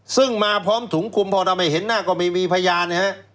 ซึ่งมาพร้อมถุงคุมพอเราไม่เห็นหน้าก็ไม่มีพยานนะฮะ